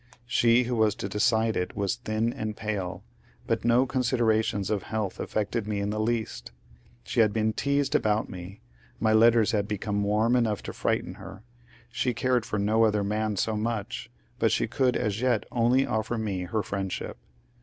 She who was to decide it was thin and pale, but no considerations of health affected me in the least She had been teased about me, my letters had become warm enough to frighten her, she cared for no other man so much, but she could as yet only offer me her friendship.